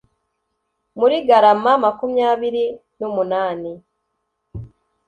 Muri garama makumyabiri numunani